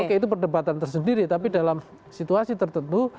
oke itu perdebatan tersendiri tapi dalam situasi tertentu